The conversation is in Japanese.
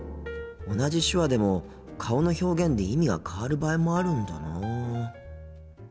同じ手話でも顔の表現で意味が変わる場合もあるんだなあ。